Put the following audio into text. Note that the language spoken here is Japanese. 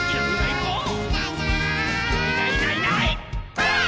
ばあっ！